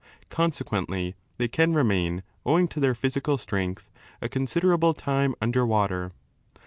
Consequently they can remain, owing to their physical strength, a considerable time under water.